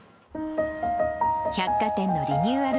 百貨店のリニューアル